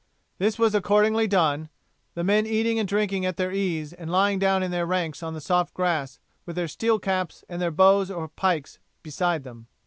This was accordingly done, the men eating and drinking at their ease and lying down in their ranks on the soft grass with their steel caps and their bows or pikes beside them.